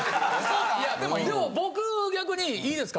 いやでも僕逆にいいですか？